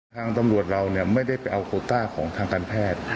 ทางตำรวจเราไม่ได้ไปเอาโคต้าของทางการแพทย์